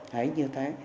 thấy như thế